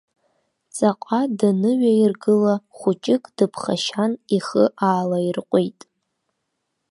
Ҵаҟа даныҩаиргыла, хәыҷык дыԥхашьан, ихы аалаирҟәит.